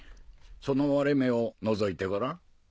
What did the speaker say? その割れ目をのぞいてごらん。